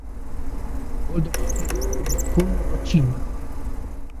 O gol do partido marcouno Rochina.